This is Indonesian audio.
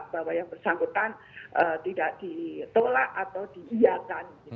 bahwa yang bersangkutan tidak ditolak atau diiakan